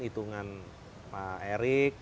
hitungan pak erick